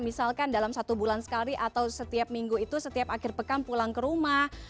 misalkan dalam satu bulan sekali atau setiap minggu itu setiap akhir pekan pulang ke rumah